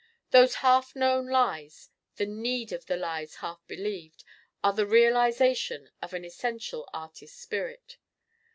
Those half known lies, the need of the lies half believed, are the realization of an essential Artist spirit.